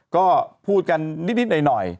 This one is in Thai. ก็พูดกันนิดหน่อย